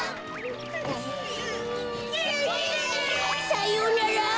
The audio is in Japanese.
さようなら！